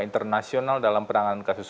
internasional dalam penanganan kasus